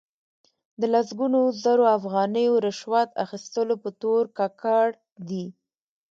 د لسګونو زرو افغانیو رشوت اخستلو په تور ککړ دي.